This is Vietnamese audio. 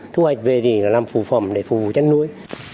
thu hoạch về thì làm phù phòng để phù vụ chăn nuôi